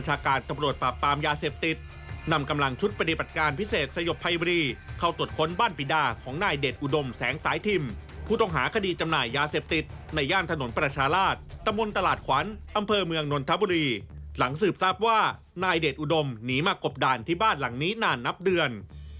หลังสืบทราบว่านายเดชอุดมหนีมากบด่านที่บ้านหลังนี้นานนับเดือน